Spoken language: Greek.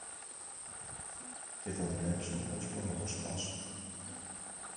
και θα δουλέψω ώσπου ν' αποστάσω.